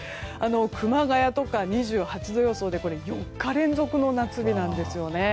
熊谷とかは２８度予想で４日連続の夏日なんです。